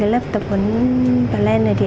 lớp tập huấn plan này